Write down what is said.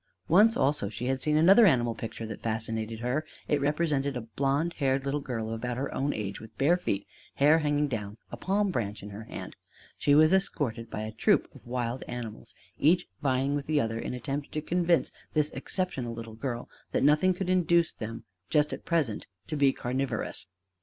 Once also she had seen another animal picture that fascinated her: it represented a blond haired little girl of about her own age, with bare feet, hair hanging down, a palm branch in her hand. She was escorted by a troop of wild animals, each vying with the other in attempt to convince this exceptional little girl that nothing could induce them just at present to be carnivorous.